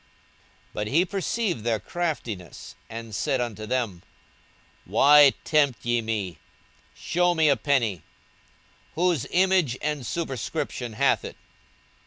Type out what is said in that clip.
42:020:023 But he perceived their craftiness, and said unto them, Why tempt ye me? 42:020:024 Shew me a penny. Whose image and superscription hath it?